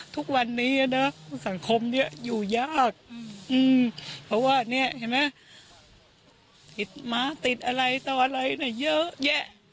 ทุกวันนี้สังคมอยู่ยากเพราะว่าที่ติดม้าอะไรเยอะแยะ